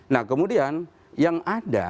nah kemudian yang ada